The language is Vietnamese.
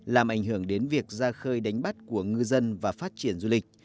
làm ảnh hưởng đến việc ra khơi đánh bắt của ngư dân và phát triển du lịch